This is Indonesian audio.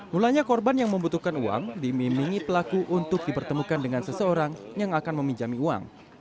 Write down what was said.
mulanya korban yang membutuhkan uang dimimingi pelaku untuk dipertemukan dengan seseorang yang akan meminjami uang